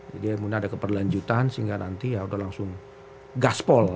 jadi mudah ada keberlanjutan sehingga nanti ya udah langsung gaspol